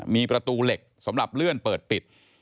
มีประตูเหล็กสำหรับเลื่อนเปิดปิด